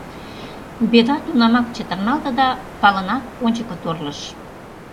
«Беда» тунамак чытырналте да палынак ончыко торлыш.